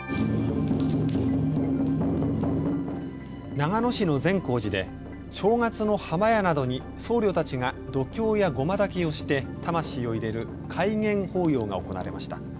長野市の善光寺で正月の破魔矢などに僧侶たちが読経や護摩だきをして魂を入れる開眼法要が行われました。